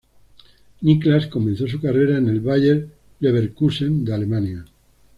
Niclas comenzó su carrera en el Bayer Leverkusen de Alemania.